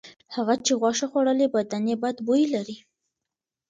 هغه چې غوښه خوړلې بدن یې بد بوی لري.